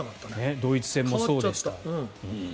ドイツ戦もそうでした。